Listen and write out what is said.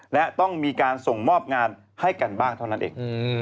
และต้องมีการส่งมอบงานให้กันบ้างเท่านั้นเอง